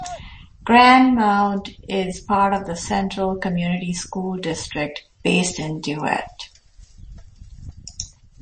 Grand Mound is part of the Central Community School District, based in DeWitt.